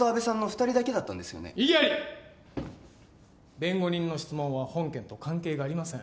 弁護人の質問は本件と関係がありません